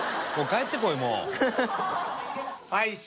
帰ってこいもう。